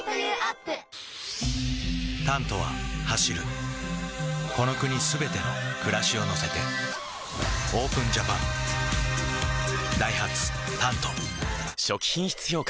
「タント」は走るこの国すべての暮らしを乗せてＯＰＥＮＪＡＰＡＮダイハツ「タント」初期品質評価